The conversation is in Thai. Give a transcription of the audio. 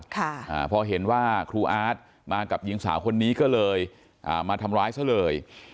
ค่ะอ่าพอเห็นว่าครูอาร์ตมากับหญิงสาวคนนี้ก็เลยอ่ามาทำร้ายซะเลย